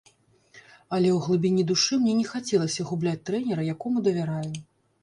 Але ў глыбіні душы мне не хацелася губляць трэнера, якому давяраю.